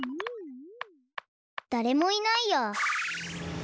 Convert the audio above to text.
だれもいないや。